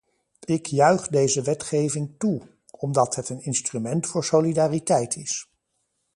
Ik juich deze wetgeving toe, omdat het een instrument voor solidariteit is.